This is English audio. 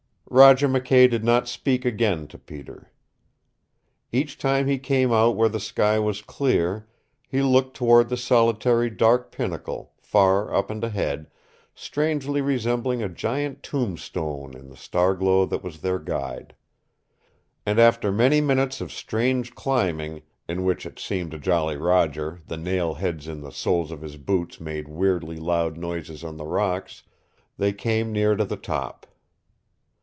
Roger McKay did not speak again to Peter. Each time he came out where the sky was clear he looked toward the solitary dark pinnacle, far up and ahead, strangely resembling a giant tombstone in the star glow, that was their guide. And after many minutes of strange climbing, in which it seemed to Jolly Roger the nail heads in the soles of his boots made weirdly loud noises on the rocks, they came near to the top.